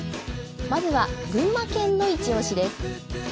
まずは群馬県のイチオシです。